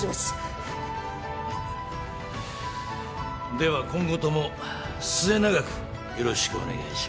では今後とも末永くよろしくお願いします。